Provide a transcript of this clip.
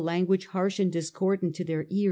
The language harsh and discordant in their ears.